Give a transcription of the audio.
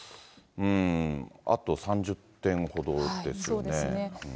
あと３０点ほどですよね。